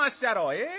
ええ？